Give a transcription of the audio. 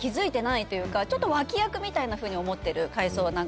ちょっと脇役みたいなふうに思ってる海藻なんかも。